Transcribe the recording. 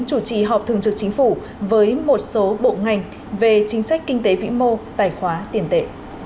chủ trì họp thường trực chính phủ với một số bộ ngành về chính sách kinh tế vĩ mô tài khoá tiền tệ